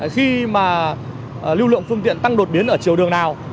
khi mà lưu lượng phương tiện tăng đột biến ở chiều đường nào